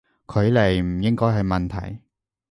距離唔應該係問題